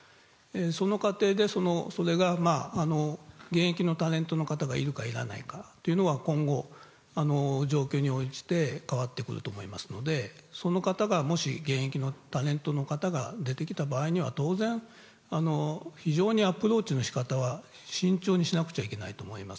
その過程で、それが現役のタレントの方がいるかいないかというのは、今後、状況に応じて変わってくると思いますので、その方がもし、現役のタレントの方が出てきた場合には、当然、非常にアプローチのしかたは慎重にしなくちゃいけないと思います。